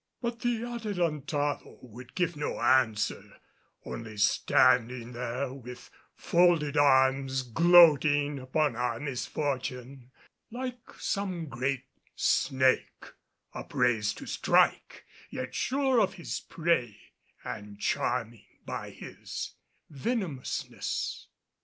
But the Adelantado would give no answer, only standing there with folded arms gloating upon our misfortune like some great snake upraised to strike, yet sure of his prey and charming by his venomousness.